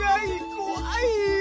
こわい！